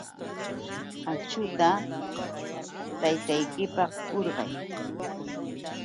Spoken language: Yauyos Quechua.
Akśhuta taytaykipaq uryay.